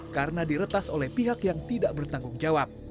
karena diretas oleh pihak yang tidak bertanggung jawab